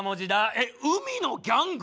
えっ海のギャング？